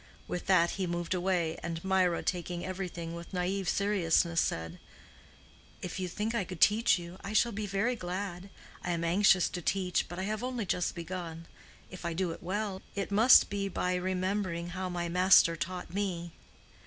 With that he moved away, and Mirah taking everything with naïve seriousness, said, "If you think I could teach you, I shall be very glad. I am anxious to teach, but I have only just begun. If I do it well, it must be by remembering how my master taught me."